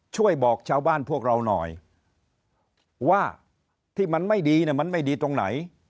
ช่วยบอกชาวบ้านพวกเราหน่อยว่าที่มันไม่ดีเนี่ยมันไม่ดีตรงไหน